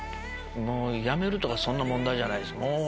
辞めるとかそんな問題じゃないです。